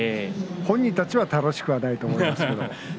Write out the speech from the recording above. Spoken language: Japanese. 本人たちは楽しくないと思いますけれど。